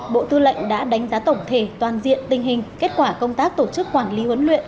bộ tư lệnh đã đánh giá tổng thể toàn diện tình hình kết quả công tác tổ chức quản lý huấn luyện